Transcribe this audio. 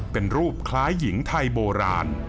เป็นรูปคล้ายหญิงไทยโบราณ